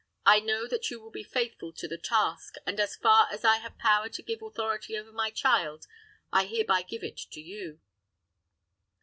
I know that you will be faithful to the task; and, as far as I have power to give authority over my child, I hereby give it to you."